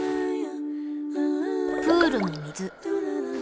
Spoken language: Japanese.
プールの水。